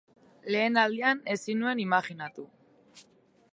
Lehen aldian ezin nuen imajinatu.